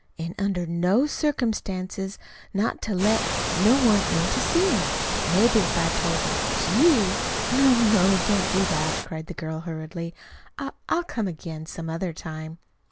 An' under no circumstances not to let no one in to see him. But maybe if I told him't was you " "No, no, don't don't do that!" cried the girl hurriedly. "I I'll come again some other time."